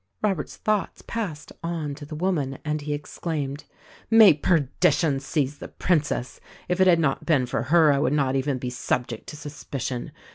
Robert's thoughts passed on to the woman and he ex claimed: "May perdition seize the Princess! If it had not been for her I would not even be subject to suspicion.